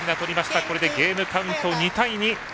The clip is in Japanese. これでゲームカウント、２対２。